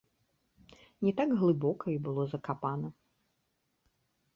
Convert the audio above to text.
Не так глыбока і было закапана.